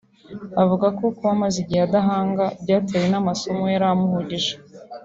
avuga ko kuba amaze igihe adahanga byatewe n’amasomo yari amuhugije